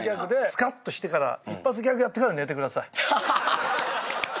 スカッとしてから一発ギャグやってから寝てください。